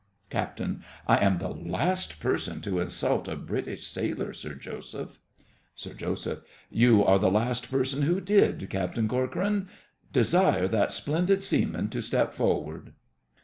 CAPT. I am the last person to insult a British sailor, Sir Joseph. SIR JOSEPH. You are the last person who did, Captain Corcoran. Desire that splendid seaman to step forward.